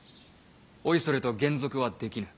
おいそれと還俗はできぬ。